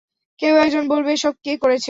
কেউ একজন বলবে এসব কে করেছে?